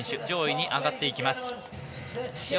上位に上がっていきます。